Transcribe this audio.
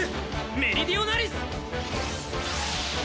メリディオナリス！